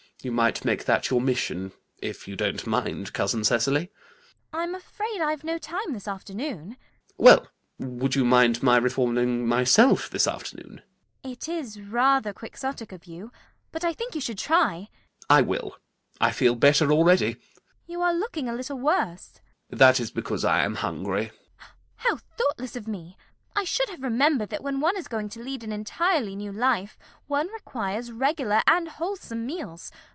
You might make that your mission, if you don't mind, cousin Cecily. CECILY. I'm afraid I've no time, this afternoon. ALGERNON. Well, would you mind my reforming myself this afternoon? CECILY. It is rather Quixotic of you. But I think you should try. ALGERNON. I will. I feel better already. CECILY. You are looking a little worse. ALGERNON. That is because I am hungry. CECILY. How thoughtless of me. I should have remembered that when one is going to lead an entirely new life, one requires regular and wholesome meals.